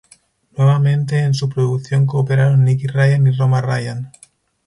Nuevamente, en su producción cooperaron Nicky Ryan y Roma Ryan.